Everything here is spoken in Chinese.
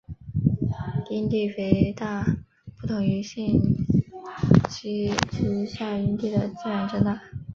阴蒂肥大不同于性刺激下阴蒂的自然增大。